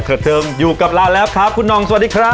เทิงอยู่กับเราแล้วครับคุณนองสวัสดีครับ